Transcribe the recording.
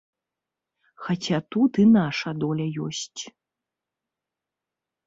Хаця тут і наша доля ёсць.